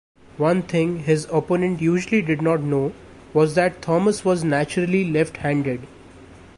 One thing his opponent usually did not know was that Thomas was naturally left-handed.